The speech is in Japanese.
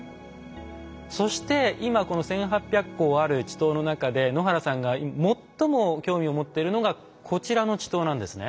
そして今この１，８００個ある池溏の中で野原さんが最も興味を持っているのがこちらの池溏なんですね。